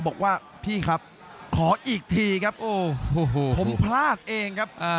บอกว่าพี่ครับขออีกทีครับโอ้โหผมพลาดเองครับ